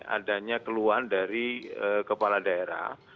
adanya keluhan dari kepala daerah